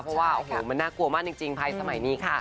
เพราะว่าโอ้โหมันน่ากลัวมากจริงภัยสมัยนี้ค่ะ